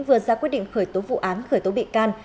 vừa ra quyết định khởi tố vụ án khởi tố bị can